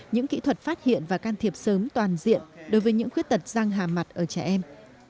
những kỹ thuật phát hiện và can thiệp sớm toàn diện đối với những khuyết tật răng hà mặt ở trẻ em